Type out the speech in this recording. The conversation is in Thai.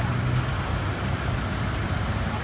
พร้อมต่ำยาว